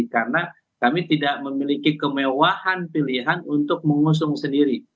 karena kami tidak memiliki kemewahan pilihan untuk mengusung sendiri